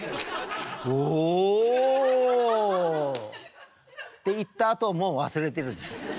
お。って言ったあともう忘れてるでしょ。